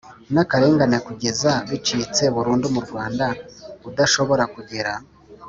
n akarengane kugeza bicitse burundu mu Rwanda Udashobora kugera